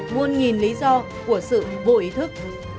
nguồn nhìn lý do của sự vô ý thức